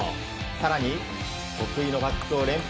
更に得意のバックを連発。